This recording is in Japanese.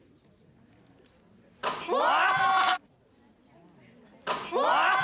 うわ！